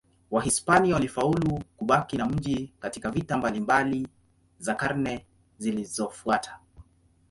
Wahispania walifaulu kubaki na mji katika vita mbalimbali za karne zilizofuata.